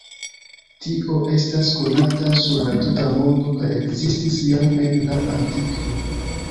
Tio estas konata sur la tuta mondo kaj ekzistis jam en la antikvo.